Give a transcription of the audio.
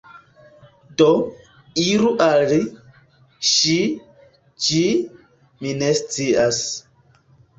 Do, iru al li, ŝi, ĝi, mi ne scias.